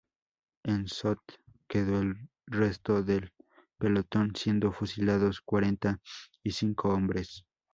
En Sot quedó el resto del pelotón, siendo fusilados cuarenta y cinco hombres.